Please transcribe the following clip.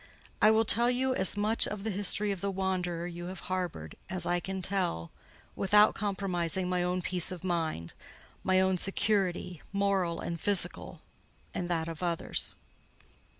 I will tell you as much of the history of the wanderer you have harboured, as I can tell without compromising my own peace of mind—my own security, moral and physical, and that of others.